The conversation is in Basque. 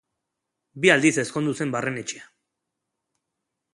Bi aldiz ezkondu zen Barrenetxea.